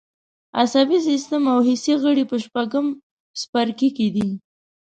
عصبي سیستم او حسي غړي په شپږم څپرکي کې دي.